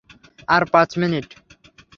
আর পাঁচ মিনিট।